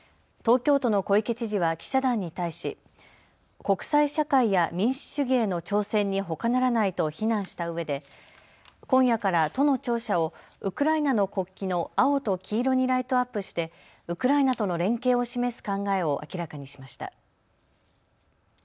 東京都の小池知事は記者団に対し国際社会や民主主義への挑戦にほかならないと非難したうえで今夜から都の庁舎をウクライナの国旗の青と黄色にライトアップしてウクライナとの連携を示す考えを明らかにしました。